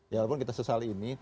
walaupun kita sesali ini